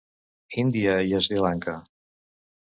Índia i Sri Lanka.